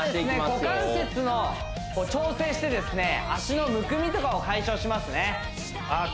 股関節の調整して脚のむくみとかを解消しますねああ